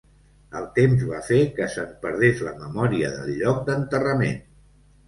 El temps va fer que se'n perdés la memòria del lloc d'enterrament.